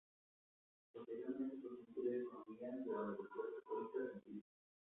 Posteriormente es docente de economía de la Universidad Católica Argentina.